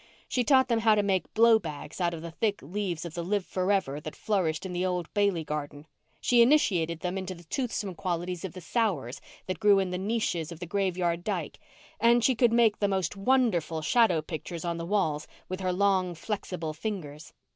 She taught them how to make "blow bags" out of the thick leaves of the "live forever" that flourished in the old Bailey garden, she initiated them into the toothsome qualities of the "sours" that grew in the niches of the graveyard dyke, and she could make the most wonderful shadow pictures on the walls with her long, flexible fingers.